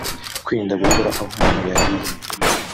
Kwirinda gukora aho umuntu yahiye